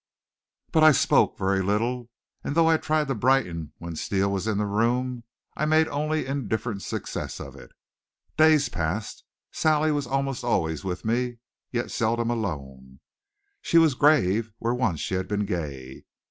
But I spoke very little, and though I tried to brighten when Steele was in the room I made only indifferent success of it. Days passed. Sally was almost always with me, yet seldom alone. She was grave where once she had been gay.